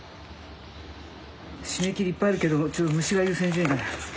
締め切りいっぱいあるけどちょっと虫が優先順位だ。